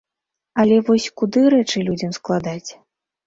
Але вось куды рэчы людзям складаць?